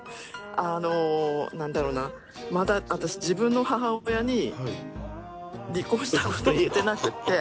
あの何だろうなまだ私自分の母親に離婚したこと言えてなくって。